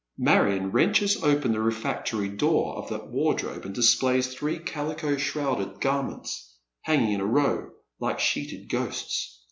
Marion wrenches open the refi actory doof of the wardrobe, and displays three calico shrouded garments, hanging in a row, like rsheeted ghosts.